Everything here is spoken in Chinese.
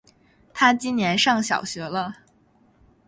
他今年上小学了